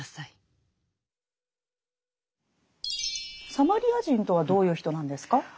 サマリア人とはどういう人なんですか？